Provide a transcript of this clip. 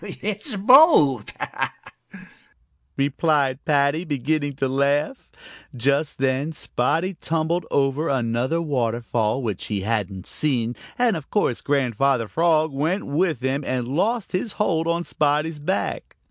"It's both," replied Paddy, beginning to laugh. Just then Spotty tumbled over another waterfall which he hadn't seen, and of course Grandfather Frog went with him and lost his hold on Spotty's back.